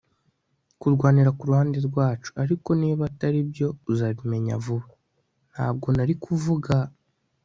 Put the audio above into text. kurwanira ku ruhande rwacu. ariko niba atari byo uzabimenya vuba. ntabwo nari kuvuga